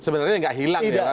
sebenarnya nggak hilang ya